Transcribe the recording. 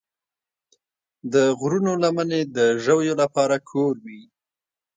د غرونو لمنې د ژویو لپاره کور وي.